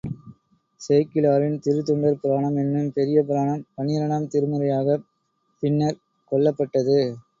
சேக்கிழாரின் திருத்தொண்டர் புராணம் என்னும் பெரிய புராணம் பன்னிரண்டாம் திருமுறையாகப் பின்னர்க் கொள்ளப்பட்டது.